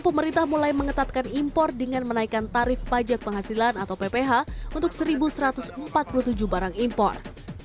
pemerintah mulai mengetatkan impor dengan menaikkan tarif pajak penghasilan atau pph untuk satu satu ratus empat puluh tujuh barang impor